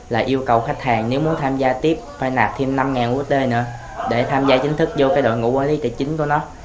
là yêu cầu khách hàng nếu muốn tham gia tiếp phải nạp thêm năm usd nữa để tham gia chính thức vô cái đội ngũ quản lý tài chính của nó